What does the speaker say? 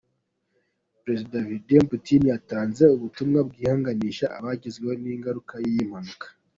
Perezida Vladmir Putin yatanze ubutumwa bwihanganisha abagizweho ingaruka n’iyi mpanuka.